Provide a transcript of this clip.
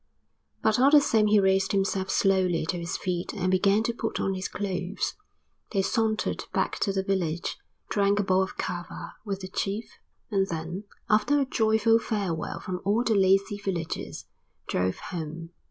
But all the same he raised himself slowly to his feet and began to put on his clothes. They sauntered back to the village, drank a bowl of kava with the chief, and then, after a joyful farewell from all the lazy villagers, drove home.